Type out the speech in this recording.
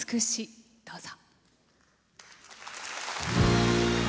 どうぞ。